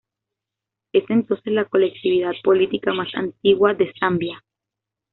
Es entonces la colectividad política más antigua de Zambia.